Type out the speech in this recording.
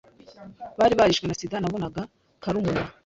bari barishwe na Sida nabonaga karumuna